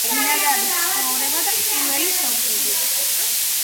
ბინადარი ცხოვრება და პირველი სოფლები